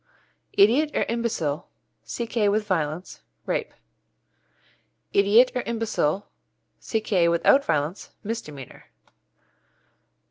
Idiot or imbecile C.K. with violence Rape. Idiot or imbecile C.K. without violence Misdemeanour.